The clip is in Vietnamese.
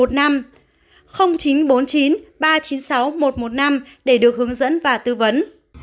chín trăm bốn mươi chín ba trăm chín mươi sáu một trăm một mươi năm để được hướng dẫn và tư vấn